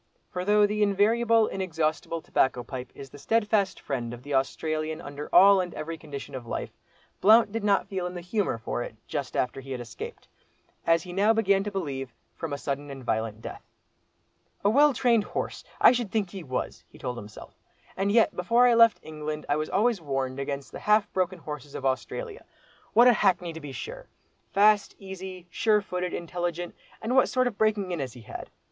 For though the invariable, inexhaustible tobacco pipe is the steadfast friend of the Australian under all and every condition of life, Blount did not feel in the humour for it just after he had escaped, as he now began to believe, from a sudden and violent death. "A well trained horse! I should think he was," he told himself; "and yet, before I left England, I was always being warned against the half broken horses of Australia. What a hackney to be sure!—fast, easy, sure footed, intelligent—and what sort of breaking in has he had?